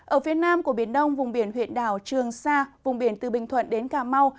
ở phía nam của biển đông vùng biển huyện đảo trường sa vùng biển từ bình thuận đến cà mau